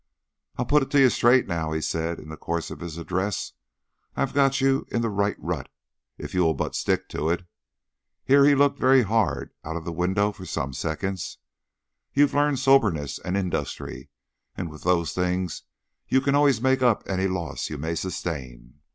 "I've put you straight now," he said, in the course of his address; "I've got you in the right rut if you will but stick in it." Here he looked very hard out of the window for some seconds. "You've learned soberness and industry, and with those things you can always make up any loss you may sustain.